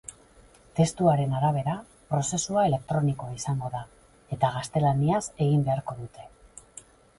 Testuaren arabera, prozesua elektronikoa izango da, eta gaztelaniaz egin beharko dute.